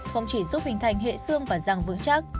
không chỉ giúp hình thành hệ xương và răng vững chắc